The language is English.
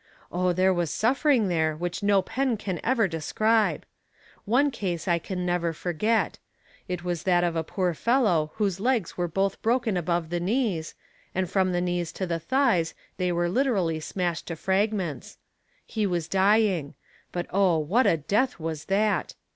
Oh, there was suffering there which no pen can ever describe. One case I can never forget. It was that of a poor fellow whose legs were both broken above the knees, and from the knees to the thighs they were literally smashed to fragments. He was dying; but oh, what a death was that.